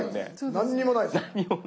何にもないです。